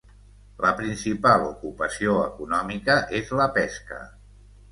La principal ocupació econòmica és la pesca.